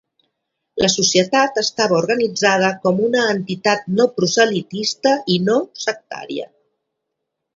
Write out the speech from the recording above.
La Societat estava organitzada com una entitat no proselitista i no sectària.